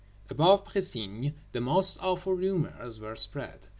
About Précigne the most awful rumors were spread.